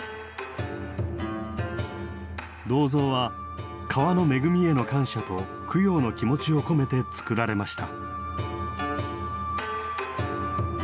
銅像は川の恵みへの感謝と供養の気持ちを込めて作られました。